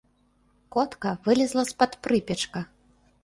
Котка вылезла з-пад прыпечка.